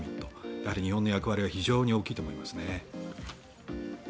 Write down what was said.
やはり日本の役割は非常に大きいと思います。